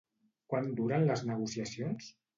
Quant duren les negociacions?